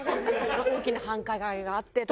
大きな繁華街があってとか。